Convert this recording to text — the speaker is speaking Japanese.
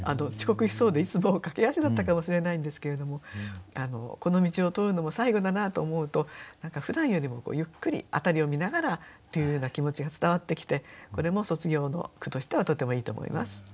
遅刻しそうでいつも駆け足だったかもしれないんですけれどもこの道を通るのも最後だなと思うとふだんよりもゆっくり辺りを見ながらというような気持ちが伝わってきてこれも卒業の句としてはとてもいいと思います。